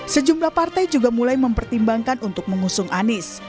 sejumlah partai juga mulai mempertimbangkan untuk mengusung anies